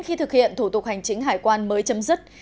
khi thực hiện thủ tục hành chính hải quan mới chấm dứt